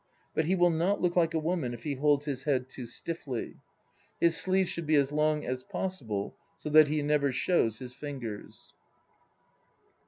But he will not look like a woman if he holds his head too stiffly. His sleeves should be as long as possible, so that he never shows his fingers.